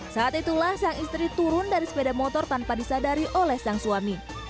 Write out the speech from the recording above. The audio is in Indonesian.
saat itulah sang istri turun dari sepeda motor tanpa disadari oleh sang suami